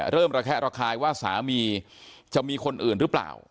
ระแคะระคายว่าสามีจะมีคนอื่นหรือเปล่า